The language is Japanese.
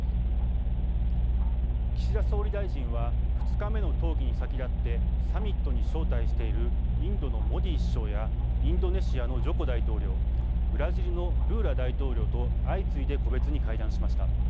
岸田総理大臣は２日目の討議に先立ってサミットに招待しているインドのモディ首相やインドネシアのジョコ大統領、ブラジルのルーラ大統領と相次いで個別に会談しました。